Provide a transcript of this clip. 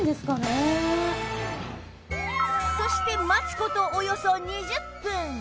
そして待つ事およそ２０分